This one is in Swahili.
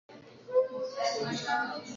Idadi ya wanyama wanaoathirika katika kundi